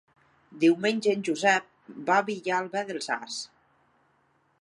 Diumenge en Josep va a Vilalba dels Arcs.